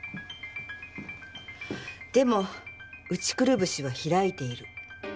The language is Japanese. でも内くるぶしは開いている。